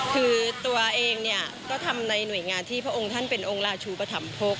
คือตัวเองเนี่ยก็ทำในหน่วยงานที่พระองค์ท่านเป็นองค์ราชูปธรรมภก